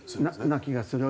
な気がする。